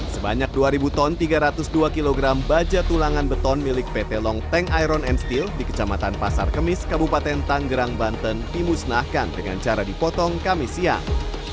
sebanyak dua ton tiga ratus dua kg baja tulangan beton milik pt long tank iron and steel di kecamatan pasar kemis kabupaten tanggerang banten dimusnahkan dengan cara dipotong kami siang